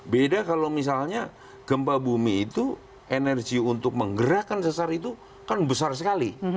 beda kalau misalnya gempa bumi itu energi untuk menggerakkan sesar itu kan besar sekali